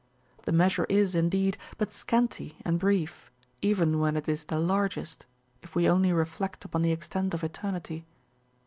The measure is, indeed, but scanty and brief, even when it is the largest, if we only reflect upon the extent of eternity.